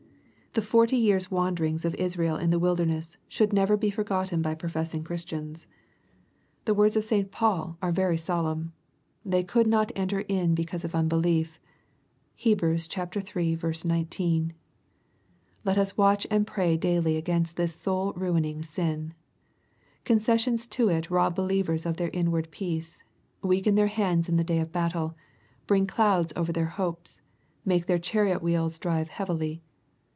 — The forty years wanderings of Israel in the wilderness, should never be forgotten by professing Christians. Tho words of St 20 EIPOSITOBT THOUGHTS. Paul are very solemn :" They could not enter in be cause of unbelief/' (Heb. iii. 19.) Let us watch and pray daily against this soul ruining sin. Concessions to it rob believers of their inward peace, — weaken their hands in the day of battle, — bring clouds over their hopes^ — make their chariot wheels drive heavily.